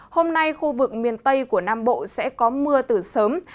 hôm nay khu vực miền tây của nam bộ sẽ có mưa từ sớm